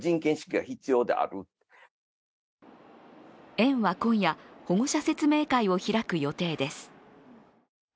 園は今夜、保護者説明会を開く予定です。